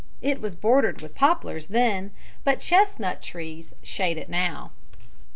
It was bordered with poplars then, but chestnut trees shade it now.